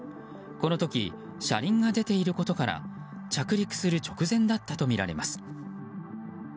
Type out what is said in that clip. この時、車輪が出ていることから着陸する直前だったとみられます。